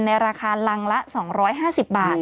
ในราคารังละ๒๕๐บาท